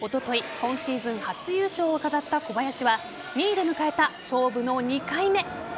今シーズン初優勝を飾った小林は２位で迎えた勝負の２回目。